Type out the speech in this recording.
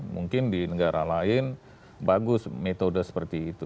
mungkin di negara lain bagus metode seperti itu